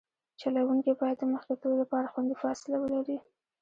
چلوونکی باید د مخکې تلو لپاره خوندي فاصله ولري